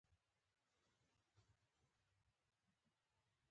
د ادب او ادبي مقصدیت په باره کې خبرې شوې وې.